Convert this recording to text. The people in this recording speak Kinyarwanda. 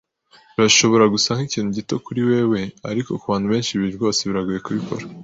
Birashobora gusa nkikintu gito kuri wewe, ariko kubantu benshi ibi rwose biragoye kubikora